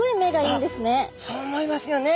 そう思いますよね。